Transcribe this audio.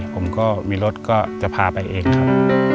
ผมก็มีรถก็จะพาไปเองครับ